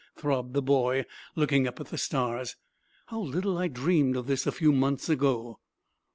throbbed the boy, looking up at the stars. "How little I dreamed of this, a few months ago!"